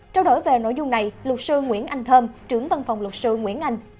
trao đổi về nội dung này luật sư nguyễn anh thơm trưởng văn phòng luật sư nguyễn anh